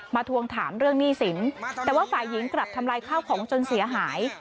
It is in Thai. ทวงถามเรื่องหนี้สินแต่ว่าฝ่ายหญิงกลับทำลายข้าวของจนเสียหาย